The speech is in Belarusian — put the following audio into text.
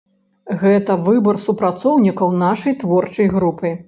Гэта выбар супрацоўнікаў нашай творчай групы.